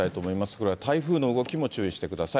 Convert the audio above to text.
これは台風の動きも注意してください。